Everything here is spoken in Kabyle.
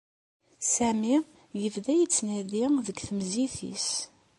Sami yebda yettnadi deg temzit-is.